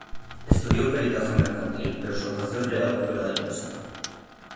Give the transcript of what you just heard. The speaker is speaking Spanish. Estudió peritaje mercantil pero su vocación real fue la de maestro.